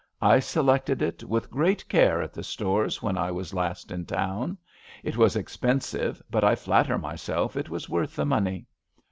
I selected it with great care at the Stores when I was last in town. It was expensive, but I flatter myself it was worth the money."